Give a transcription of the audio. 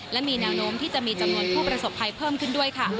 และมีแนวโน้มที่จะมีจำนวนผู้ประสบภัยเพิ่มขึ้นด้วยค่ะ